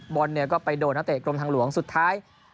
บอลเนี่ยก็ไปโดนนักเตะกรมทางหลวงสุดท้าย